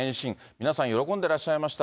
皆さん、喜んでらっしゃいました。